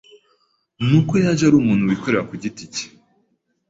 ni uko yaje ari umuntu wikorera ku giti cye,